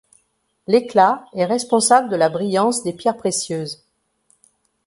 L'éclat est responsable de la brillance des pierres précieuses.